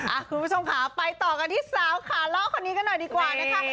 คุณผู้ชมค่ะไปต่อกันที่สาวขาล่อคนนี้กันหน่อยดีกว่านะคะ